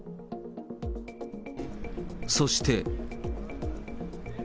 そして。